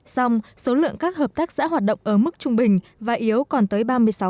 xong số lượng các hợp tác xã hoạt động ở mức trung bình và yếu còn tới ba mươi sáu